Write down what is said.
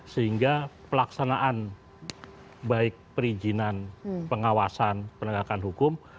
sehingga pelaksanaan baik perizinan pengawasan penegakan hukum